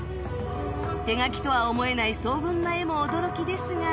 手描きとは思えない荘厳な絵も驚きですが